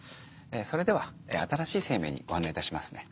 それでは新しい生命にご案内いたしますね。